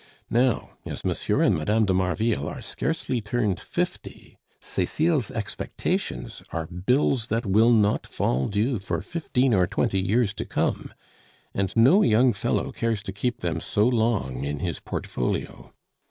"Now, as M. and Mme. de Marville are scarcely turned fifty, Cecile's expectations are bills that will not fall due for fifteen or twenty years to come; and no young fellow cares to keep them so long in his portfolio.